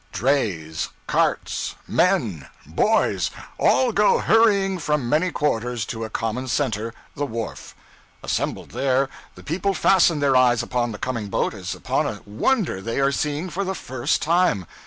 Drays, carts, men, boys, all go hurrying from many quarters to a common center, the wharf. Assembled there, the people fasten their eyes upon the coming boat as upon a wonder they are seeing for the first time.